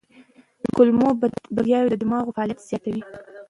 کولمو بکتریاوې د دماغ فعالیت زیاتوي.